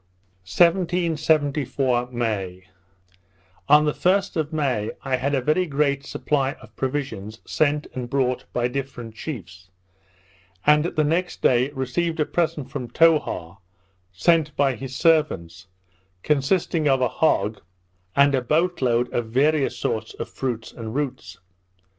1774 May On the 1st of May, I had a very great supply of provisions sent and brought by different chiefs; and the next day received a present from Towha, sent by his servants, consisting of a hog, and a boat load of various sorts of fruits and roots.